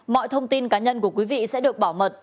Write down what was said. mọi thông tin cá nhân của quý vị sẽ được bảo mật